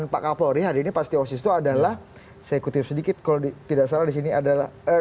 pak kapolri hari ini pak stio osisto adalah